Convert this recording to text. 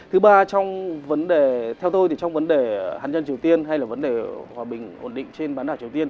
thứ ba trong vấn đề theo tôi thì trong vấn đề hạt nhân triều tiên hay là vấn đề hòa bình ổn định trên bán đảo triều tiên